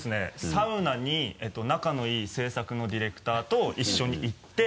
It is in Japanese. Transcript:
サウナに仲のいい制作のディレクターと一緒に行って。